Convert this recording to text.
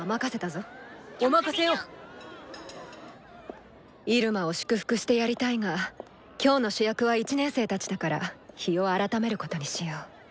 心の声イルマを祝福してやりたいが今日の主役は１年生たちだから日を改めることにしよう。